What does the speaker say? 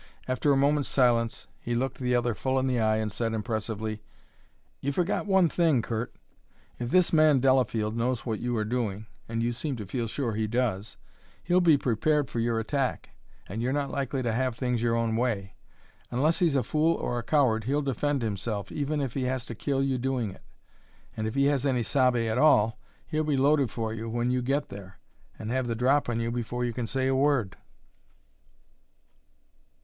After a moment's silence he looked the other full in the eye and said, impressively: "You forget one thing, Curt. If this man Delafield knows what you are doing and you seem to feel sure he does he'll be prepared for your attack, and you're not likely to have things your own way. Unless he's a fool or a coward he'll defend himself, even if he has to kill you doing it. And if he has any sabe at all he'll be loaded for you when you get there, and have the drop on you before you can say a word."